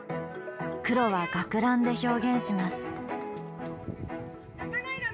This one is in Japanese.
黒は学ランで表現します。